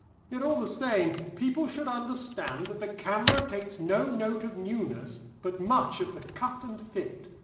Yet all the same, people should understand that the camera takes no note of newness, but much of the cut and fit.